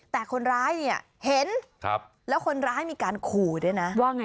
แต่คนร้ายเนี่ยเห็นแล้วคนร้ายมีการขู่ด้วยนะว่าไง